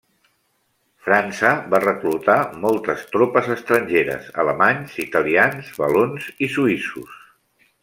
França va reclutar moltes tropes estrangeres: alemanys, italians, valons i suïssos.